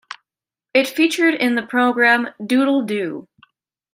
It featured in the program "Doodle Do".